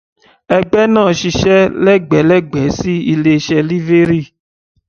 The Guild is run along the same lines as a Livery Company.